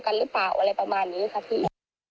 อะไรประมาณนี้นี่ค่ะพี่